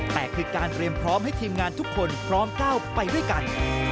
แต่คือการเตรียมพร้อมให้ทีมงานทุกคนพร้อมก้าวไปด้วยกัน